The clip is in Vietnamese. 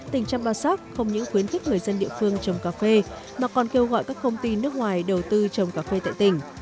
tỉnh champasak không những khuyến khích người dân địa phương trồng cà phê mà còn kêu gọi các công ty nước ngoài đầu tư trồng cà phê tại tỉnh